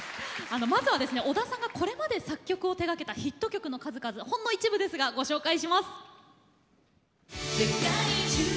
まずは織田さんがこれまで作曲を手がけたヒット曲の数々ほんの一部ですがご紹介します。